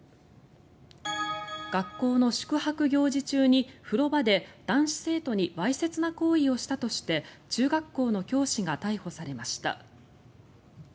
学校の宿泊行事中に風呂場で男子生徒にわいせつな行為をしたとして中学校の教師が逮捕されました。